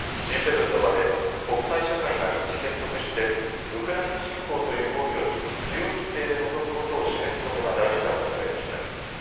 Ｇ７の場で国際社会が一致結束してウクライナ侵攻という暴挙に強い姿勢で臨むことを示すことが大事だと述べました。